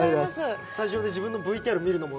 スタジオで自分のＶＴＲを見るのも？